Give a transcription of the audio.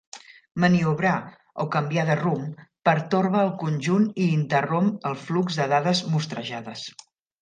Maniobrar, o canviar de rumb, pertorba el conjunt i interromp el flux de dades mostrejades.